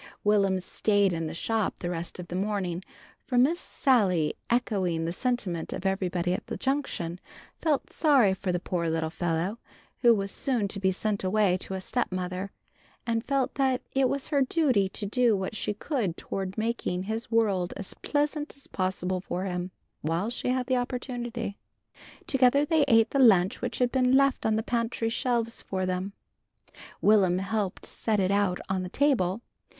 Will'm stayed in the shop the rest of the morning, for Miss Sally echoing the sentiment of everybody at the Junction, felt sorry for the poor little fellow who was soon to be sent away to a stepmother, and felt that it was her duty to do what she could toward making his world as pleasant as possible for him, while she had the opportunity. Together they ate the lunch which had been left on the pantry shelves for them. Will'm helped set it out on the table.